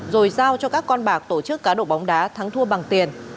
rồi giao cho các con bạc tổ chức cá độ bóng đá thắng thua bằng tiền